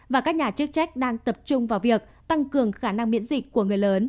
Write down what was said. và các nhà chức trách đang tập trung vào việc tăng cường khả năng miễn dịch của người lớn